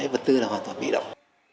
vật tư là hoàn toàn bị động